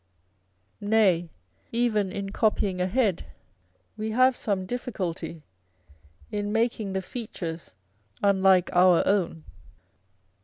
Nay, even in copying a head, we have some difficulty in making the features unlike our own.